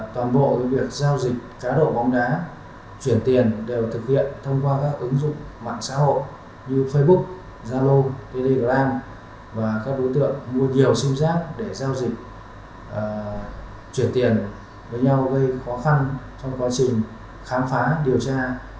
toàn bộ việc giao dịch cá độ bóng đá chuyển tiền đều thực hiện thông qua các ứng dụng mạng xã hội như facebook zalo telegram và các đối tượng mua nhiều sim giác để giao dịch chuyển tiền với nhau gây khó khăn trong quá trình khám phá điều tra